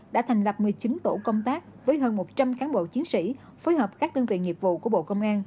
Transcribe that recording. đã thành lập một mươi chín tổ công tác với hơn một trăm linh cán bộ chiến sĩ phối hợp các đơn vị nghiệp vụ của bộ công an